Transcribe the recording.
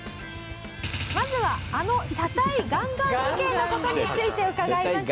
まずはあの車体ガンガン事件の事について伺いました。